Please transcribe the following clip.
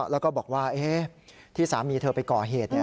แล้วก็บอกว่าที่สามีเธอไปก่อเหตุ